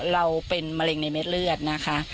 เราเป็นมะเร็งในเม็ดเลือดนะคะ